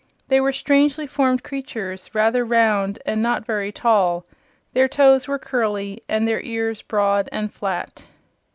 They were strangely formed creatures, rather round and not very tall. Their toes were curly and their ears broad and flat.